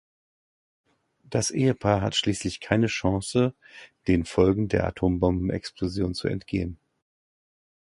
Das Ehepaar hat schließlich keine Chance, den Folgen der Atombombenexplosion zu entgehen.